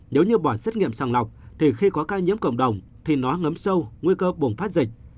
nếu như bỏ xét nghiệm sàng lọc thì khi có ca nhiễm cộng đồng thì nó ngấm sâu nguy cơ bùng phát dịch